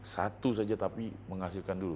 satu saja tapi menghasilkan dulu